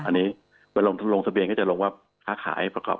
อันนี้วันลงทุนลงสะเบียนก็จะลงว่า